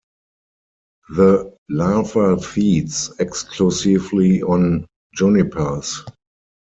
The larva feeds exclusively on junipers.